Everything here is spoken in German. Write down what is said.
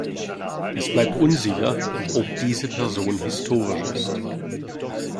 Es bleibt unsicher, ob diese Person historisch ist.